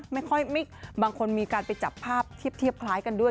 ไม่ค่อยบางคนมีการไปจับภาพเทียบคล้ายกันด้วย